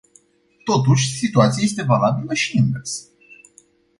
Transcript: Totuși, situația este valabilă și invers.